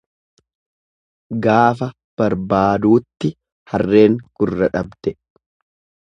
Gaafa barbaaduutti harreen gurra dhabde.